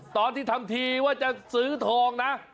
ตอนที่ทำทีว่าจะซื้อทองนะ